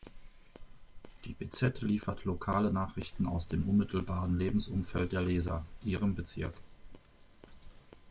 Die bz liefert lokale Nachrichten aus dem unmittelbaren Lebensumfeld der Leser, ihrem Bezirk.